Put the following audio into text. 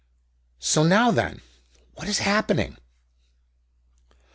So, now then! What is happening?